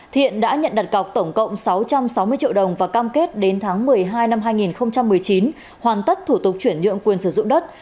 thiện đã nhận đặt cọc tổng cộng sáu trăm sáu mươi triệu đồng và cam kết đến tháng một mươi hai năm hai nghìn một mươi chín hoàn tất thủ tục chuyển nhượng quyền sử dụng đất